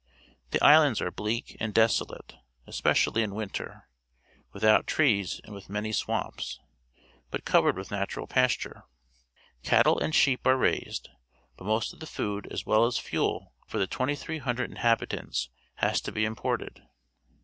The islands are bleak and desolate, especially in winter, without trees and with many swamps, but covered with natural pasture. Cattle and sheep are raised, but most of the food as well as fuel for the 2,300 inhabitants has to be imported.